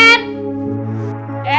kok nggak ada